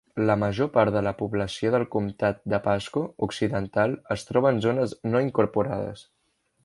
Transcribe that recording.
La major part de la població del comtat de Pasco occidental es troba en zones no incorporades.